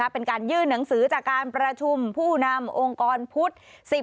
เป็นการยื่นหนังสือจากการประชุมผู้นำองค์กรพุทธ